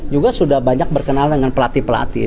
juga sudah banyak berkenalan dengan pelatih pelatih